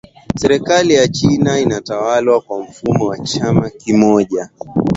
Serikali ya China inatawala kwa mfumo wa chama kimoja